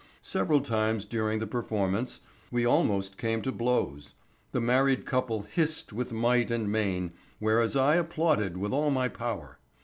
Several times during the performance we almost came to blows. The married couple hissed with might and main, whereas I applauded with all my power.